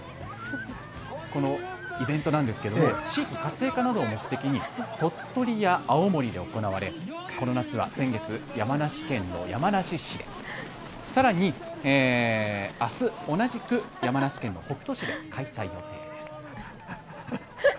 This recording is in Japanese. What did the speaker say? このイベントなんですけども地域活性化などを目的に鳥取や青森で行われこの夏は先月、山梨県山梨市で、さらにあす、同じく山梨県北杜市で開催予定です。